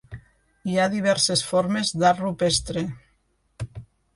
Hi ha diverses formes d'art rupestre.